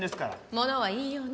物は言いようね。